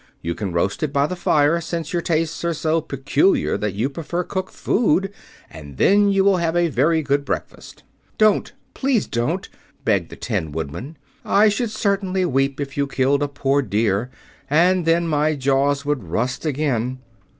You can roast it by the fire, since your tastes are so peculiar that you prefer cooked food, and then you will have a very good breakfast." "Don't! Please don't," begged the Tin Woodman. "I should certainly weep if you killed a poor deer, and then my jaws would rust again."